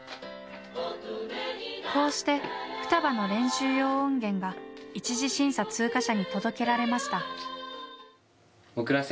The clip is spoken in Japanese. こうして「双葉」の練習用音源が１次審査通過者に届けられました。